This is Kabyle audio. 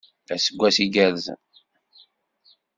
Aseggas iggerzen!